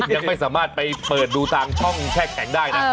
ยังไม่สามารถไปเปิดดูทางช่องแช่แข็งได้นะ